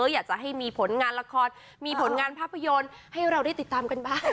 อยากจะให้มีผลงานละครมีผลงานภาพยนตร์ให้เราได้ติดตามกันบ้าง